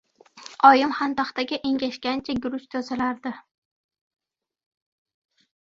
Oyim xontaxtaga engashgancha guruch tozalar